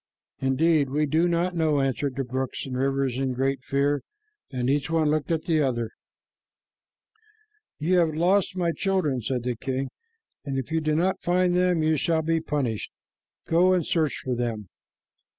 "Indeed, we do not know," answered the brooks and rivers in great fear, and each one looked at the others. "You have lost my children," said the king, "and if you do not find them, you shall be punished. Go and search for them."